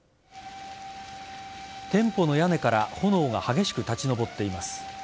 店舗の屋根から炎が激しく立ち上っています。